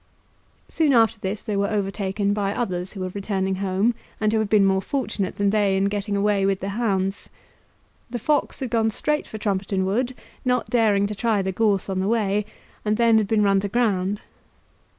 Soon after this they were overtaken by others who were returning home, and who had been more fortunate than they in getting away with the hounds. The fox had gone straight for Trumpeton Wood, not daring to try the gorse on the way, and then had been run to ground.